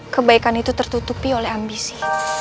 kebaikan itu tertutupi oleh ambisi